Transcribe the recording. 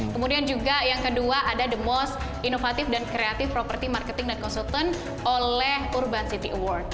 kemudian juga yang kedua ada the most innovative and creative property marketing and consultant oleh urban city awards